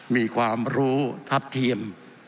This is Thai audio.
มีความรู้ทัดเทียม